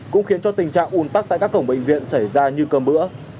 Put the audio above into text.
cũng khiến cho tình trạng ùn tắc tại các cổng bệnh viện xảy ra như cơm bữa